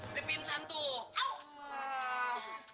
dia pinsan tuh